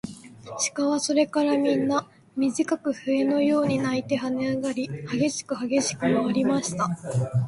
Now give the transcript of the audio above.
鹿はそれからみんな、みじかく笛のように鳴いてはねあがり、はげしくはげしくまわりました。